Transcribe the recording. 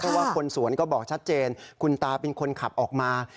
เพราะว่าคนสวนก็บอกชัดเจนคุณตาเป็นคนขับออกมา